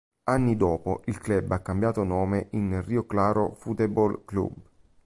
Anni dopo, il club ha cambiato nome in Rio Claro Futebol Clube.